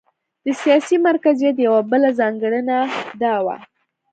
د سیاسي مرکزیت یوه بله ځانګړنه دا وه.